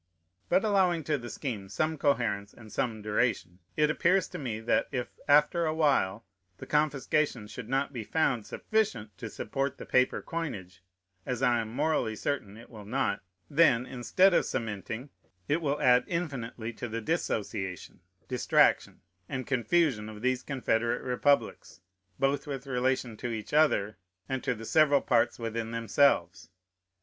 But allowing to the scheme some coherence and some duration, it appears to me, that, if, after a while, the confiscation should not be found sufficient to support the paper coinage, (as I am morally certain it will not,) then, instead of cementing, it will add infinitely to the dissociation, distraction, and confusion of these confederate republics, both with relation to each other and to the several parts within themselves.